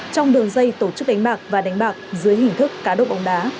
trong đường dây tổ chức đánh bạc và đánh bạc dưới hình thức cá độ bóng đá